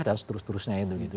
dan seterus terusnya gitu